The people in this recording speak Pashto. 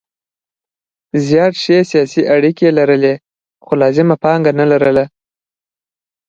زیات ښې سیاسي اړیکې لرلې خو لازمه پانګه نه لرله.